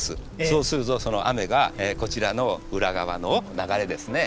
そうするとその雨がこちらの裏側の流れですね。